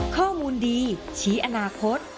ข้อมูลดีชี้อนาคต